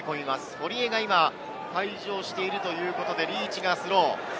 堀江が今、退場しているということで、リーチがスロー。